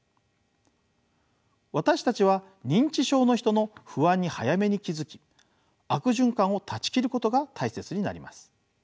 私たちは認知症の人の不安に早めに気付き悪循環を断ち切ることが大切になります。